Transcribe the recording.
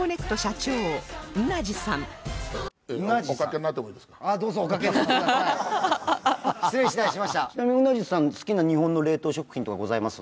ちなみにンナジさん好きな日本の冷凍食品とかございます？